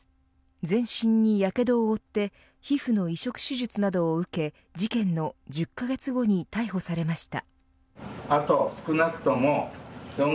全身にやけどを負って皮膚の移植手術などを受け事件の１０カ月後に逮捕されました。